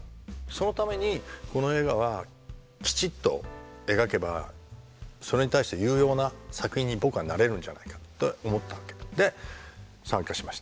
そのためにこの映画はきちっと描けばそれに対して有用な作品に僕はなれるんじゃないかと思ったわけ。で参加しました。